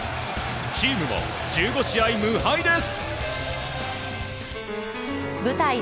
チームも１５試合無敗です！